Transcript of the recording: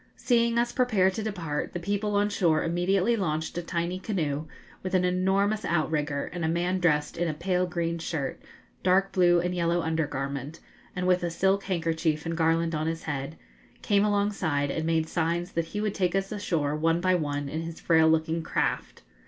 Seeing us prepare to depart, the people on shore immediately launched a tiny canoe, with an enormous outrigger, and a man dressed in a pale green shirt, dark blue and yellow under garment, and with a silk handkerchief and garland on his head, came alongside and made signs that he would take us ashore one by one in his frail looking craft.